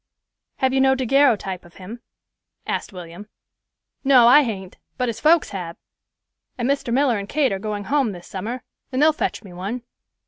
"Have you no daguerreotype of him?" asked William. "No, I hain't, but his folks have; and Mr. Miller and Kate are going home this summer, and they'll fetch me one.